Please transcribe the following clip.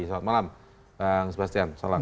selamat malam bang sebastian salam